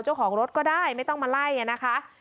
เจ้าของรถก็ได้ไม่ต้องมาไล่นะคะ